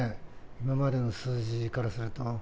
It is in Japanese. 今までの数字からすると。